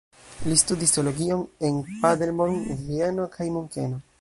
Li studis teologion en Paderborn, Vieno kaj Munkeno.